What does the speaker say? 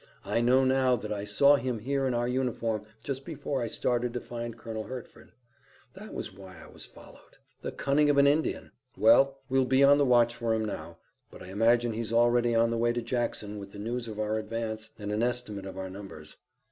I know now that I saw him here in our uniform just before I started to find Colonel Hertford. That was why I was followed." "The cunning of an Indian. Well, we'll be on the watch for him now, but I imagine he's already on the way to Jackson with the news of our advance and an estimate of our numbers.